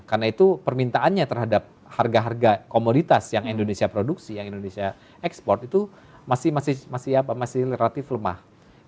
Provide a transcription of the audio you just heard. karena itu permintaannya terhadap harga harga komoditas yang indonesia produksi yang indonesia ekspor itu masih relatif lemah